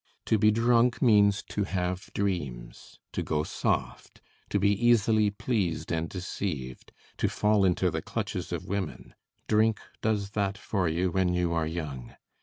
To be drunk means to have dreams; to go soft; to be easily pleased and deceived; to fall into the clutches of women. Drink does that for you when you are young.